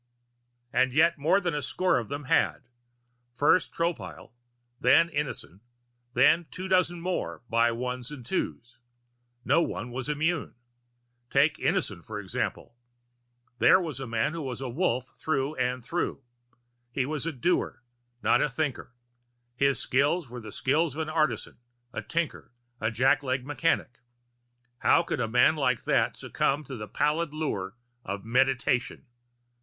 And yet more than a score of them had. First Tropile then Innison then two dozen more, by ones and twos. No one was immune. Take Innison, for example. There was a man who was Wolf through and through. He was a doer, not a thinker; his skills were the skills of an artisan, a tinkerer, a jackleg mechanic. How could a man like that succumb to the pallid lure of Meditation?